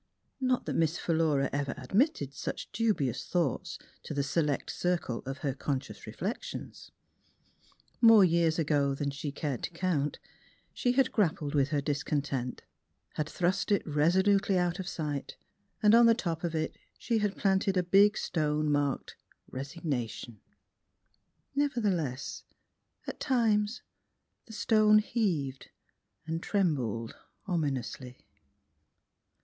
Not that Miss Philura ever admitted such dubious thoughts to the select circle of her conscious reflec tions; more years ago than she cared to count she had grap The Transfiguration of pled with her discontent, had thrust it resolutely out of sight, and on the top of it she had planted a big stone marked Resignation. Nevertheless, at times the stone heaved and trembled ominously.